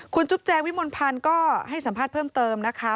คุณจุ๊บแจวิมลพันธ์ก็ให้สัมภาษณ์เพิ่มเติมนะคะ